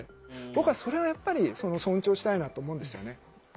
僕はそれはやっぱり尊重したいなと思うんですよね。